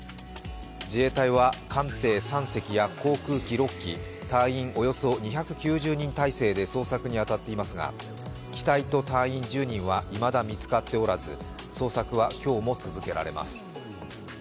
自衛隊は、艦艇３隻や航空機６機、隊員およそ２９０人態勢で捜索に当たっておりますが機体と隊員１０人はいまだ見つかっておらず、捜索は今日も続けられます。